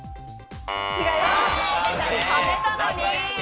違います。